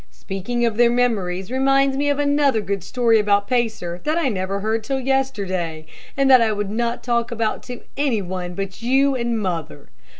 Speaking of their memories reminds me of another good story about Pacer that I never heard till yesterday, and that I would not talk about to any one but you and mother.